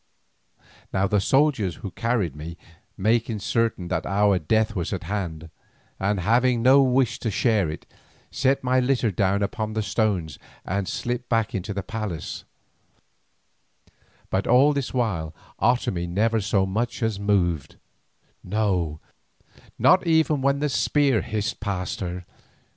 Now the soldiers who had carried me, making certain that our death was at hand, and having no wish to share it, set my litter down upon the stones and slipped back into the palace, but all this while Otomie never so much as moved, no, not even when the spear hissed past her.